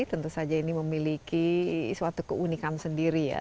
tentu saja ini memiliki suatu keunikan sendiri ya